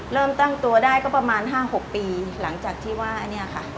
เริ่มตั้งตัวได้ก็ประมาณ๕๖ปีหลังจากที่ว่าอันนี้ค่ะ